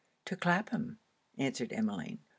'To Clapham,' answered Emmeline.